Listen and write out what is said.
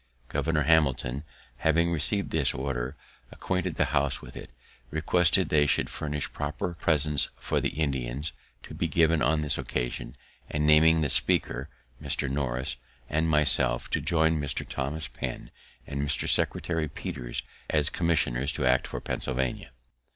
Governor Hamilton, having receiv'd this order, acquainted the House with it, requesting they would furnish proper presents for the Indians, to be given on this occasion; and naming the speaker (Mr. Norris) and myself to join Mr. Thomas Penn and Mr. Secretary Peters as commissioners to act for Pennsylvania.